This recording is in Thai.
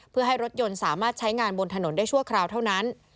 เพื่อให้รถยนต์สามารถใช้งานบนถนนได้ชั่วคราวเท่านั้น